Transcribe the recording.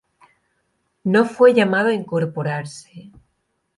No fue llamado a incorporarse.